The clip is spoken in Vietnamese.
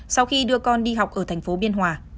sau khi đưa con đi học ở thành phố biên hòa